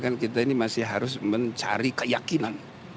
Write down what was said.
kan kita ini masih harus mencari keyakinan